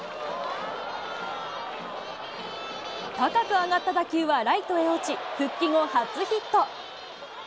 高く上がった打球はライトへ落ち、復帰後初ヒット。